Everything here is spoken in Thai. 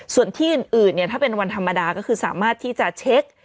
ส่วนที่อื่นเนี่ยถ้าเป็นวันธรรมดาก็คือสามารถที่จะเช็ค